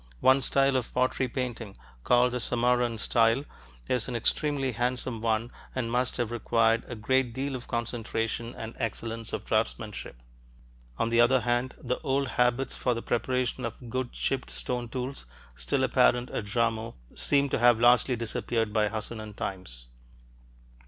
One style of pottery painting, called the Samarran style, is an extremely handsome one and must have required a great deal of concentration and excellence of draftsmanship. On the other hand, the old habits for the preparation of good chipped stone tools still apparent at Jarmo seem to have largely disappeared by Hassunan times.